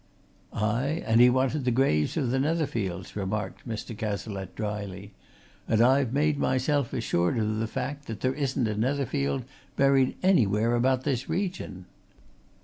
"Aye, and he wanted the graves of the Netherfields," remarked Mr. Cazalette, dryly. "And I've made myself assured of the fact that there isn't a Netherfield buried anywhere about this region!